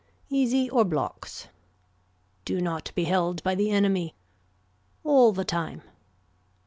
Easy or blocks. Do not be held by the enemy. All the time.